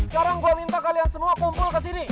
sekarang gue minta kalian semua kumpul kesini